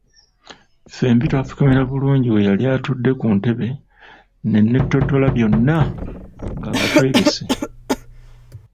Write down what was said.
Ffembi twafukamira bulungi we yali atudde ku ntebe ne neettottola byonna ng'agatwegese.